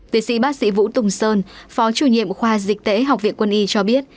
tiến sĩ bác sĩ vũ tùng sơn phó chủ nhiệm khoa dịch tễ học viện quân y cho biết